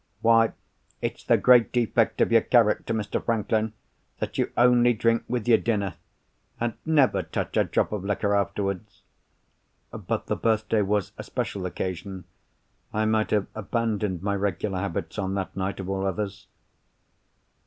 "Why it's the great defect of your character, Mr. Franklin that you only drink with your dinner, and never touch a drop of liquor afterwards!" "But the birthday was a special occasion. I might have abandoned my regular habits, on that night of all others."